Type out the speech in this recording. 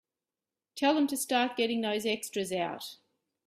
Tell them to start getting those extras out.